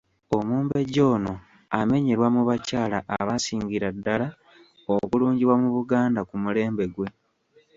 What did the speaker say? Omumbejja ono amenyerwa mu bakyala abaasingira ddala okulungiwa mu Buganda ku mulembe gwe.